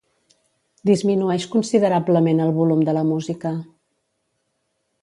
Disminueix considerablement el volum de la música.